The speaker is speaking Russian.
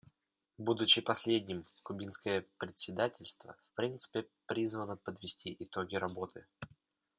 Будучи последним, кубинское председательство в принципе призвано подвести итоги работы.